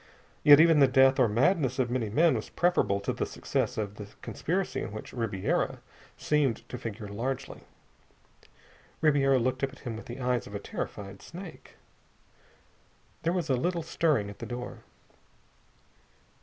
Yet even the death or madness of many men was preferable to the success of the conspiracy in which Ribiera seemed to figure largely. Ribiera looked up at him with the eyes of a terrified snake. There was a little stirring at the door.